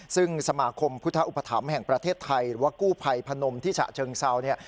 ซึ่งสมาคมพุทธอุปถัมภ์แห่งประเทศไทยหรือว่ากู้ภัยพนมที่ฉะเชิงเซาเนี่ย